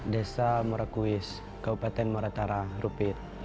desa murakuis kabupaten muratara rupit